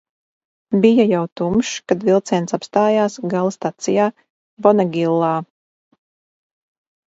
Bija jau tumšs, kad vilciens apstājās gala stacijā, Bonegilla.